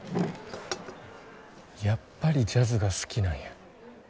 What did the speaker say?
やっぱりジャズが好きなんや。